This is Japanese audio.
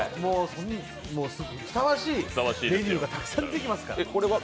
ふさわしいメニューがたくさん出てきますから。